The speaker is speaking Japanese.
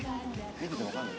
見ててもわかんない。